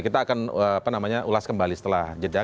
kita akan apa namanya ulas kembali setelah jeddah